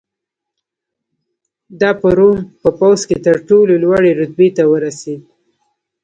دا په روم په پوځ کې تر ټولو لوړې رتبې ته ورسېد